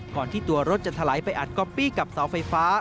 ก่อนที่ตัวรถจะถลายไปอัดก๊อปปี้กับเสาไฟฟ้า